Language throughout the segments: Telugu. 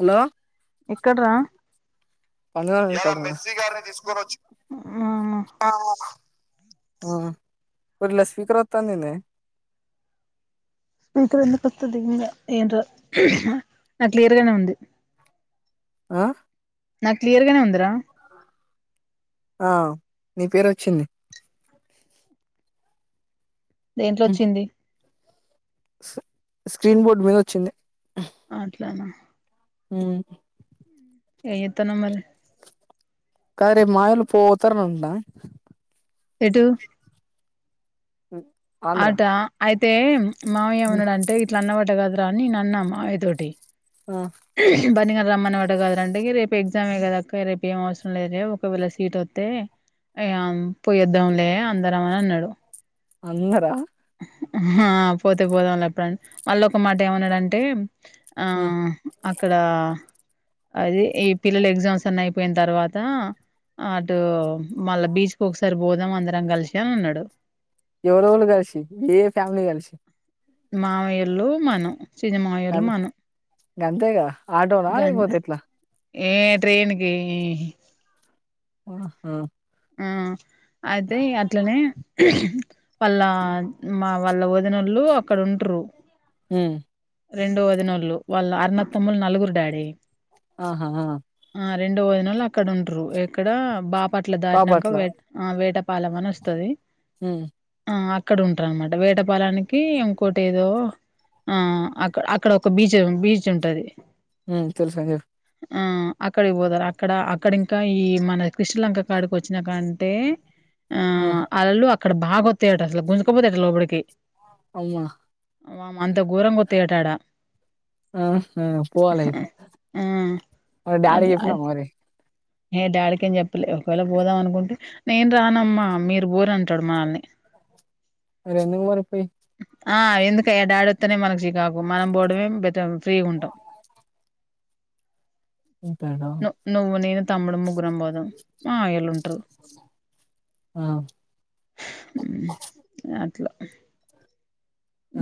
హలో ఎక్కడ్రా [unintelligible] హలో ఆహా ఆ మరి లాస్వీకర్ వత్తాందేంది ఏంటో నాక్ క్లియర్గానే ఉంది. ఆ? నాక్ క్లియర్గానే ఉందిరా! ఆ, నీ పేరోచ్చింది. దేంట్లోచ్చింది? స్ స్క్రీన్ బోర్డ్ మీద ఒచ్చింది. ఆంటి ట్లనా హ్మ్ ఎంజెత్తానవ్ మరి? కాద్ రేపు మాయోళ్ళు పోతరనుందా? ఎటు? ఉమ్ అటా అయిప్ తే మావయ్య ఏమన్నడంటే, ఇట్ల అన్నవాట గదా? దాన్నిన్నన్న మావయ్య తోటి. ఆ బండినడ్ప్ రమ్మన్నవట కదరంటే, రేపు ఎగ్జామే కదాక్క రేపు ఏం అవసరం లేదులే, ఒకవేళ సీట్ ఒత్తే అ ఇగ పోయ్యేద్దాంలే అందరమని అన్నడు. అందరా? ఆ పోతె పోదాం లెక్పొత్ఎప్పుడ మళ్ళ ఒక్కమాట ఏమన్నడంటే? ఆ, అక్కడా అది ఈ పిల్లల ఎగ్జామ్స్ అన్నయిపోయిన్తర్వాత, అటూ మళ్ళ బీచ్ కు ఒకసారి పోదాం అందరం కలిసి అని అన్నాడు. ఎవరెవరు కలిసి ఏ ఏ ఫ్యామిలీ కల్షి? మామయ్యోళ్ళు, మనం. సింజి మాయోళ్ళు, మనం. గంతేగా? ఆటోనా? గంత్ లెక్పోతెట్లా? ఏ ట్రైన్ కి ఆహా! ఆ అయితిగట్లనే, వాళ్ళ మా వాళ్ళ ఓదినళ్ళు అక్కడ ఉంటరు. హ్మ్ రెండో వదినోళ్లు, వాళ్ళ అరునత్తమ్మోళ్ నలుగురు డాడీ. ఆహా, ఆ ఆ రెండో వదినోళ్ళు అక్కడ ఉంటురు, ఎక్కడా బాపట్ ట్ల దాటినంకా, బాపట్ల వేట్ ఆ వేటపాలమ్ అనోస్తది. ఆ అక్ క్కడ ఉంటరు అనమాట. వేటపాలానికి ఇంకోటెదో, ఆ ఆ అక్క అక్కడ ఒక బీచు బీచ్ ఉంటది. మ్ తెల్సుగని చెప్ ఆ అక్కడికి పోతరు, అక్కడ అక్కడింకా ఈ మన క్రిష్టలంక కాడిక్ ఓచ్చినకంటే. ఆ అలల్ పక్. అక్కడ బాగోత్తాయట అసలు, గుంజకపోతా [unintelligible] లోపడికి. అమ్మా ఆ ఆమ్ అంత ఘోరంగ్. తేటాడ. ఆహా పోవాలే అయితె. ఆ మరి డాడీకి అట్లా చెప్పినావ మరి. ఏ డాడికేం చెప్పలే. ఒకవేళ పోదాం అనుకుంటె నేను రానమ్మా మీరు పోర్రి అంటాడు మనల్ని. మరెందుకు మరి పోయి. ఆ ఎందుకయ డాడోత్తనే మనకు. [unintelligible] [unintelligible] కు మనం పోవడమే బెటల్, ఫ్రీగ్ ఉంటాం. ఉంటాడా ను నువ్వు, నేను. తమ్ముడు ము. గ్గురం బోదాం. మా [unintelligible] ఉంటారు. ఆ హుమ్ అట్లా.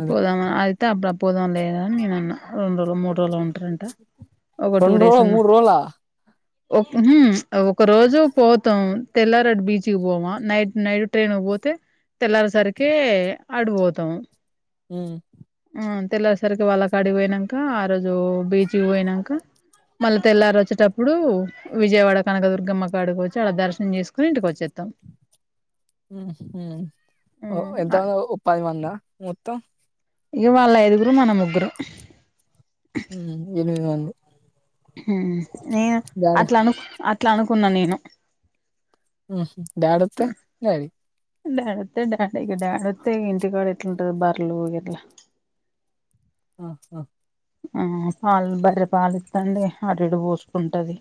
అదే పోదామా, అయితె అబ్. [unintelligible] పోదాం లేరా అని, నేన్ అన్నా. రెండు రోజులు మూడు రోజులు ఉంటారంట రెండు రోజుల్, మూడ్ రోజులా. ఒప్పిపి, అగో. ఒక రోజు పోతాం. తెల్లార్ ఆట్ బీచ్కి పోమా, నైట్ నైట్ ట్రైన్ కి పోతే. తెల్లారేసరికే ఆడ్ వోత్. త్త. హుమ్మ్. హుమ్మ్ తెల్లరేసరికి వాళ్ళ కాడికి పోయి పోయినంక, ఆ రోజు బీచ్కి పోయినంక మళ్ళ తెల్లార్ ఓచ్చేటప్పుడు, విజయవాడ కనకదుర్గమ్మ కాడికి ఓచ్చి, ఆడ దర్శనం జేసుకొని ఇంటికి ఓచ్చేత్తాం. ఉహు ఉమ్, ఓ ఎంత [unintelligible] ఓ పది మంద మొత్తం. ఇగా వాళ్ళు ఐదుగురు, మన ముగ్గురం. ఉమ్ ఎనిమిది మంది హుమ్మ్, నేను డాడ్ అట్లనుక్ అట్. ట్లా అనుకున్నా నేను. ఆహుం. డాడ్ ఒత్తే, డాడీ. డాడ్ ఒత్తే డాడి, ఇగ డాడ్ ఒత్తే ఇంటికాడ ఎట్లుంటదో బర్లు. [unintelligible] ఆ ఆ. ఆ పాల్, బర్రె పాలు ఇత్తంది అటు ఇటు పోస్కుంటది.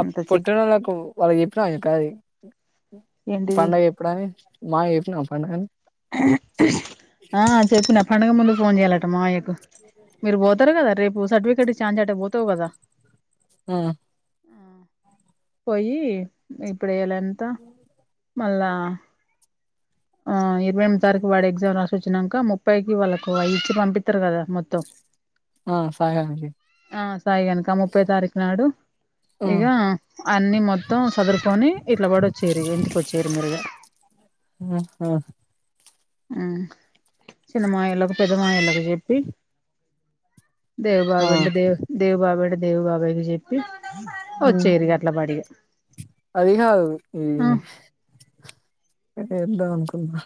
ఆ పుట్టినోళ్లకు, వాళ్ళక్ చెప్పినవ ఈ కాది. ఏంటిది పండగ చెప్పడాని [unintelligible] చెప్పినావ. హాన్ న్ ఆ చెప్పిన పడుగ ముందు ఫోన్ చేయాలట మామయ్య కు మీరు పోతారు కదా రేపు సర్టిఫికేట్ ఇస్తే అనిచ్చి అట్టే పోతావు కదా ఆ ఆ పోయి ఇప్పుడ ఎలా ఎంత మళ్ళా ఆ ఇది ఇరవై ఎనిమిది తారీకు వాడు ఎగ్జామ్ రాసి వచ్చిన వచ్చినాక ముప్పైకి వాళ్ళకు అయి ఇచ్చి పంపిస్తారు కదా మొత్తం ఆ సాయిగానికి ఆ సాయి గానికి ముప్పై తారీకు నాడు ఆ ఇక అన్ని మొత్తం చదురుకొని ఇట్లా పడి వచ్చేరు ఇంటికొచ్చేరు మీరుగ ఆ ఆ ఊహు చిన్న మావయ్య వాళ్లకు పెద్ద మామయ్య లకు చెప్పి దేవ ఆ బాబాయ్ ఉంటే దేవా దేవ బాబాయ్ ఉంటే దేవు బాబాయ్ కి చెప్పి హు వచ్చేరు ఇగ అట్లా పాడిగా అది గాదు ఈ ఆ ఎట్టా చెప్పుదాం అనుకున్నా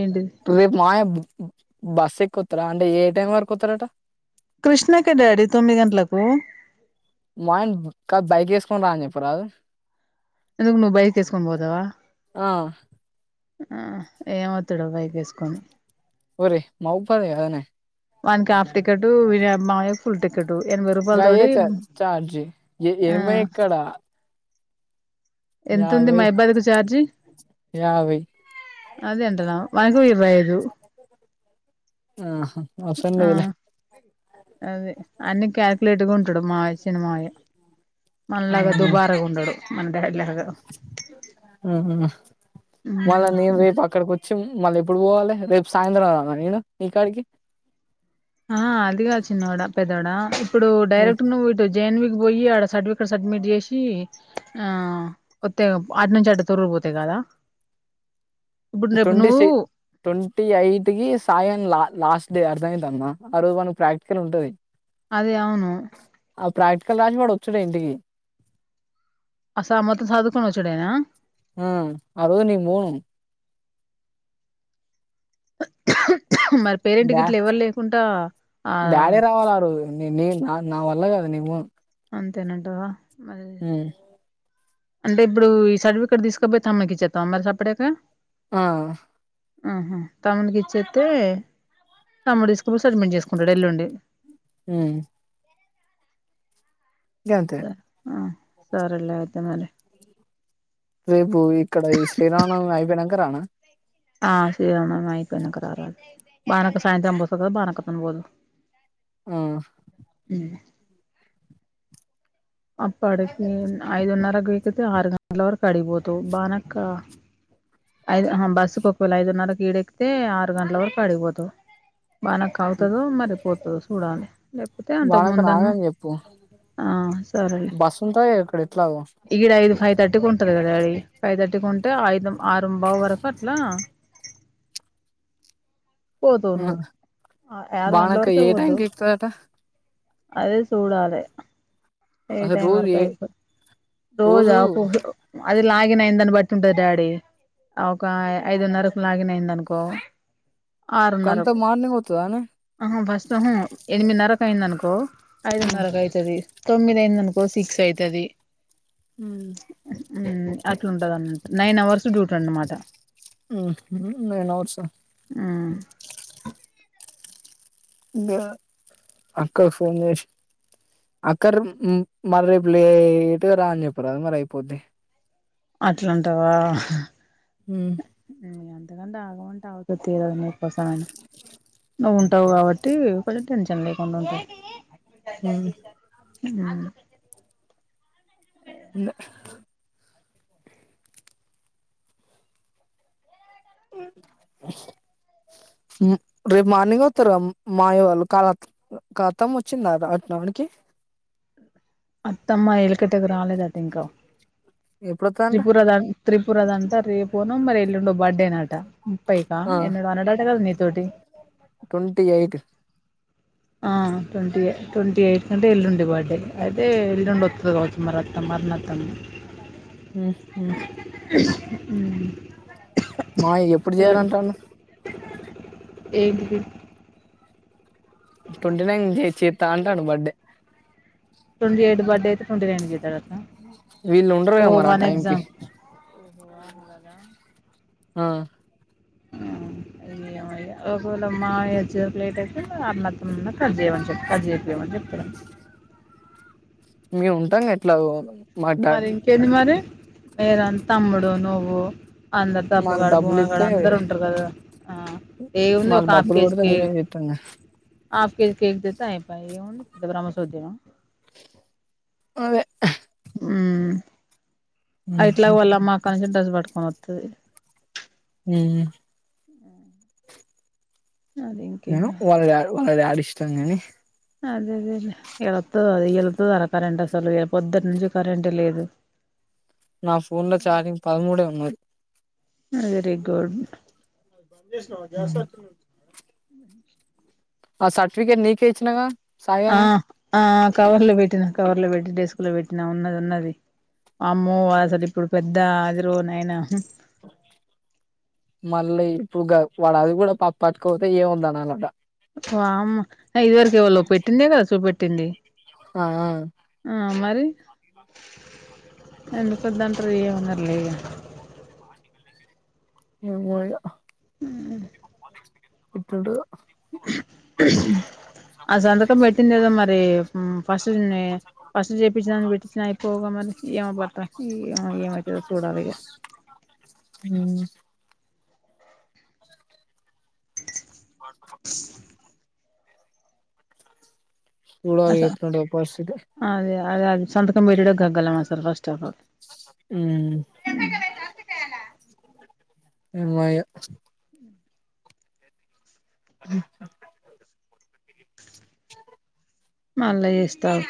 ఏంటిది రేపు మావయ్యకు బస్సు ఎక్కి వస్తారా అంటే ఏ టైం వరకు వతారట కృష్ణకే డాడీ తొమ్మిది గంటలకు మాయన్ కా బైక్ వేసుకొని రాని చెప్పు రాదు ఎందుకు నువ్వు బైక్ వేసుకొని పోతావా ఆ ఆ ఏం వత్తడో బైక్ వేసుకొని ఒరేయ్ మహాబాబాద్ గాధ నే వానికి హాఫ్ టికెట్ వి మా మావయ్యకు ఫుల్ టికెట్ ఎనభై రూపాయల గయే తోటి చార్జి ఏం ఏమో ఎక్కడ ఎంత ఉంది యాభై మహాబాబాద్ కి చార్జి యాభై అదేంటనా వానికో ఇరవై ఐదు ఆ ఆ అదే అన్ని క్యాలిక్యులేట్ గా ఉంటాడు మామయ్య చిన్న మామయ్య మనలాగా దుబారాగా ఉండడు మన డాడీ లాగా ఊహు మళ్ళా నేను రేపు అక్కడి కి వచ్చి మళ్ళీ ఎప్పుడు పోవాలి రేపు సాయంత్రం రావల్ల నేను నీ కాడికి ఆ అదిగాదు చిన్నోడా పెద్దోడా ఇప్పుడు డైరెక్ట్ నువ్వు ఇటు జేన్వికి పోయి ఆడ సర్టిఫికెట్ సబ్మిట్ చేసి ఆ వొత్తె అటు నుంచి అటు తొరగపోతే కాదా టొంటీ సి టొంటీ ఎయిట్ కి సాయన్లా లాస్ట్ డే అర్థమయితాంద ఆ రోజు మనకు ప్రాక్టికల్ ఉంటది అదే అవును ఆ ప్రాక్టికల్ రాసినోడు చుడే ఇంటికి అస మొత్తం సర్దుకొని వొచ్చుడేనా ఆ ఆ రోజు నేను పోను మరి పేరెంట్ డా గిట్లా ఎవల్ లేకుంటా ఆ డాడీ రావాలి ఆ రోజు నే నా నా వల్ల కాదు నే పోను అంతేనంటవా మరి హ్మ్ అంటే ఇబ్బుడు ఈ సర్టిఫికెట్ తీసుకపోయ్ తమ్కి ఇచ్చేత్తావ మరి సప్పిడాక అ ఆహా తమ్ముడికి ఇచ్చేత్తే తమ్ముడు తీసుకపొయ్ సబ్మిట్ చేసుకుంటాడు ఎల్లుండి హ్మ్ గంతే ఆ సరేలే అయితే మరి రేపు ఇక్కడ ఈ శ్రీరామ నవమి అయిపోయినంక రానా ఆ శ్రీరామనవమి ఐపోయినాక రా బానక సాయంతం అ పోస బానక తం పోదు ఆ అప్పటికి ఐదున్నరకి వీకితే ఆరు గంటల వరకు అడికిపోతవ్ బానక్క ఐదు ఆహా బస్సుకి ఒకవేళ ఐదున్నరకు ఈడ ఎక్కితే ఆరు గంట్ల వరకు అడికిపోతవ్ బానకవుతుదు మరిపోతు సూడాలె లేకపోతే అంతకు బానక్క ముందన్న రాదని చెప్పు ఆ సరే లే బస్సు ఉంటాయి ఇక్కడ ఎట్లాగో ఈడ ఐదు ఫై థర్టీకి ఉంటుందిగా డాడీ ఫైవ్ థర్టీకి ఉంటే ఐదు ఆరుంబావు వరకు అట్లా పోతావు నువ్వు ఆరు గంటల బానక్క వరకే ఏ టైం పోతావు కి ఎక్కువ కదా అదే సూడాలే ఏ అసలు టైమ్ రోజు వర్కా ఏ అయితాదో రోజ రోజు పో ఓహో అది లాగిన్ అయిందని బట్టి ఉంటది డాడీ ఒక ఐదున్నరకు లాగిన్ అయిండనుకో కంత మార్నింగ్ వత్తదానే ఆహ ఎనిమిదిన్నరకు అయిందనుకో ఐదున్నరకు అయితది తొమ్మిదయిందనుకో సిక్స్ అయితది ఊ ఉమ్ అట్లుందన్నమాట నైన్ అవర్స్ డ్యూటీ అన్నమాట. ఊ హుఉ నేను ఔట్సో ఊ దా అక్కక్ ఫోన్ చేశి అక్కర్ ఉం మరి రేప్ లేట్గా రా అని చెప్పరాదు మరి అయిపోద్ది. అట్లంటవా హ్మ్ అంతకంటే ఆగమంటే ఆగుతది తీరాదు నీకోసంమయినా. నువ్వు ఉంటావు కాబట్టీ కొంచం టెన్షన్ లేకుండ ఉంటది. హ్మ్ హ్మూ ఉ ఊ రేపు మార్నింగ్ ఒత్తరు మాయవాళ్ళు కాళత్తిక్ అత్తమ్మ వచ్చిందా అట్న్ రావనికి. అత్తమ్మా ఎలుకటకు రాలేదట ఇంకా ఎప్పుడొత్తదంట త్రిపుర ద త్రిపుర దంట రేపునో మరి ఎల్లుండో బర్డే నటా. ముప్పైకా ఎన్నడో అన్నడట కదా నీతోటి. ట్వంటీ ఎయిట్ ఆ ట్వంటీయే ట్వంటీ ఎయిత్ అంటే ఎల్లుండి బర్డే. అయితే [unintelligible] వత్తది గావచ్చు మరి అత్తమర్ణత్తమ్ హ్మ్ హ్మ్ మ్మ్ మావయ్య ఎప్పుడు ఎల్లు చెయ్యాలంటాండు. ఏంటిది ట్వంటీ నైన్ చే చేత్తా అంటాడు బర్త్డే. ట్వంటీ ఎయిట్ కి బర్త్డే అయితే ట్వంటీ నైన్త్ కి చేత్తడ వీళ్ళు ఉండరు గదా మరి ఆ టైం కీ ఎగ్జామ్ ఆ అయ్యమయ ఒకవేళ మావయ వచ్చేవరకు లేట్ అయితే అత్తమ్మనన్న కట్ జేయమని చెప్ కట్ జేపీయమని చెప్తడేమో. మేము ఉంటాంగా ఎట్లాగో. మాకు డ మరి ఇంకేంది మరీ [unintelligible] తమ్ముడు నువ్వూ. అందరు మాకు తప్పుగాడు డబ్బులు బూమగాడు ఇత్తే అందరు ఉంటరు గదరా. ఆ ఏం ఉంది మాకు ఒక హాఫ్ డబ్బులు కేజీ కొడితే మేమే కేకు చేత్తంగా ఆఫ్ కేజీ కేక్ తెత్తే అయిపాయే ఏం ఉంది. పెద్ద భ్రమ్మ సోధ్యమా. అదే హ్మా అ ఉహు ఎట్లాగు వాళ్ళమ్మ అక్కడ నుంచెలి డ్రెస్ పట్టుకొని వత్తదీ. ఊఊ అది ఇంకేం నేను కాదు. వాళ్ళడాడి వాళ్ళ డాడి ఇష్ ష్టం గానీ. అదేలేండి ఇయాలొత్తదా అది ఇయాలొత్తదారా కరెంట్ అసలు ఇగ పొద్దటి నుంచి కరెంటే లేదు. నా ఫోన్ లో చార్జింగ్ పదమూడే ఉం మరి వెరీ గుడ్ బంద్ చేసినావా గ్యాస్ హ్మ్. వస్తుంది [unintelligible] ఆ సర్టిఫికేట్ నీకే ఇచ్చినగా సాయి ఆ గాంది ఆ కవర్లు పెట్టిన కవర్ లో పెట్టి డెస్క్ లో పెట్టినా ఉన్నది ఉన్నది అమ్మో అసలు ఇప్పుడు పెద్ద అదిరో నాయనా మళ్ళీ ఇప్పుగ వాడు అది కూడా ప్ ప్పట్టుకోతే ఏముందని అనాలంట వామ్మో ఇది వరకు ఎవళ్ళో లో పెట్టిందే కద చుపట్ ట్టింది ఆ ఆ మరి ఎందుకొద్దాంటరు ఎమన్నార్లే ఇగ మీ వోళ్ళు ఇప్పుడు ఆ సంతకం పెట్టిందేదో మరి మ్ ఫస్ట్ ని ఫస్ట్ చేపించిని పెట్టించిన అయిపోగా మరి ఏమ భర్త ఏమవుతుందో చూడాలి ఇగ ఉమ్ వా చూడాలి అస ఎట్లుందో పరిస్థితి అదే అదే అం సంతకం పెట్టడం గగ్గలం అసలు ఫస్ట్ ఆ పాపక్ ఉమ్ అమ్మయ అ ఆ మళ్ళ చేస్త ఆగు